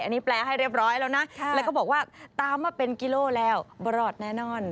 อันนี้แปลให้เรียบร้อยแล้วนะแล้วก็บอกว่าตามมาเป็นกิโลแล้วบรอดแน่นอน